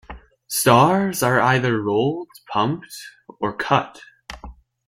Stars are either rolled, pumped or cut.